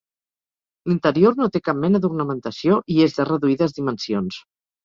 L'interior no té cap mena d'ornamentació i és de reduïdes dimensions.